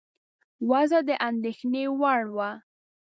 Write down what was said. وضع د اندېښنې وړ وه.